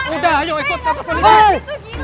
udah ikut kantor polisi